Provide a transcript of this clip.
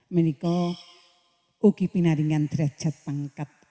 menikol ugi binaringan drajat pangkat